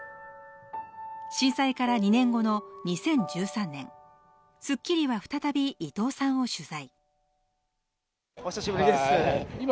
震災から２年後の２０１３年、『スッキリ』は再び伊藤さんを取材。